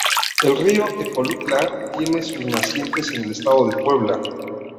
El río Tecolutla tiene sus nacientes en el estado de Puebla.